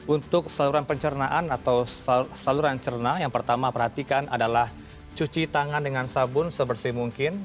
untuk saluran pencernaan atau saluran cerna yang pertama perhatikan adalah cuci tangan dengan sabun sebersih mungkin